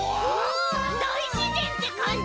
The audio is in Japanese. だいしぜんってかんじ！